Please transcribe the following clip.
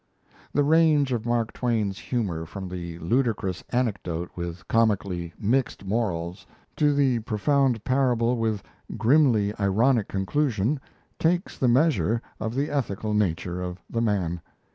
The range of Mark Twain's humour, from the ludicrous anecdote with comically mixed morals to the profound parable with grimly ironic conclusion, takes the measure of the ethical nature of the man.